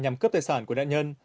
nhằm cướp tài sản của nạn nhân